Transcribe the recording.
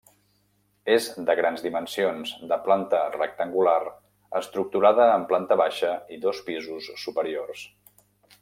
És de grans dimensions, de planta rectangular estructurada en planta baixa i dos pisos superiors.